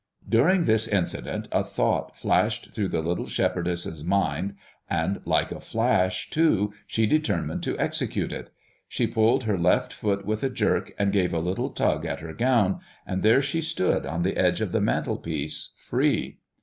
During this incident a thought flashed through the little shepherdess's mind, and like a flash too she determined to execute it. She pulled her left foot with a jerk, and gave a little tug at her gown, and there she stood on the edge of the mantel piece, free.